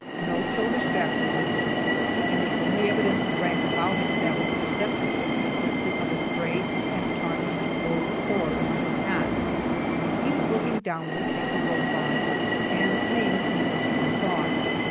No shoulder straps were visible, and the only evidence of rank about him that was perceptible consisted of a frayed and tarnished gold cord on his hat. He was looking downward as he rode by, and seemed immersed in thought.